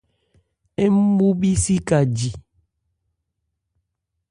Ń mu bhísi ka ji.